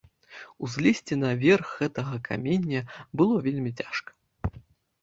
Узлезці на верх гэтага каменя было вельмі цяжка.